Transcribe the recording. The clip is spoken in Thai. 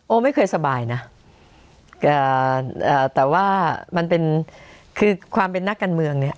ไม่เคยสบายนะแต่ว่ามันเป็นคือความเป็นนักการเมืองเนี่ย